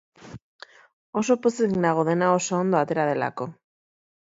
Oso pozik nago dena oso ondo atera delako.